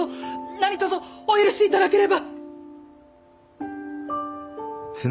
何とぞお許し頂ければ！